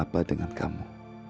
apa apa dengan kamu